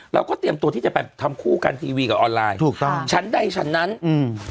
เราก็เตรียมตัวที่จะไปทำคู่กันทีวีกับออนไลน์ถูกต้องชั้นใดชั้นนั้นอืม